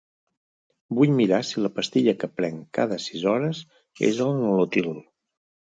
Vull mirar si la pastilla que prenc cada sis hores és el Nolotil.